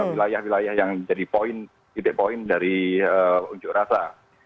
wilayah wilayah yang menjadi titik poin dari unjuk rasa